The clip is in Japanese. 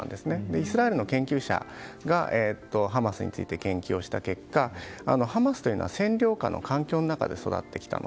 イスラエルの研究者がハマスについて研究をした結果ハマスというのは占領下の環境の中で育ってきた。